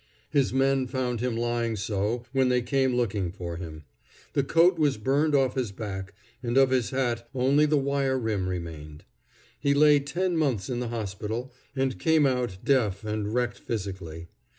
His men found him lying so when they came looking for him. The coat was burned off his back, and of his hat only the wire rim remained. He lay ten months in the hospital, and came out deaf and wrecked physically.